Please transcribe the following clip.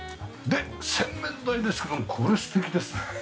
で洗面台ですけどもこれ素敵ですね。